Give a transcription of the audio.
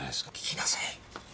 訊きなさい！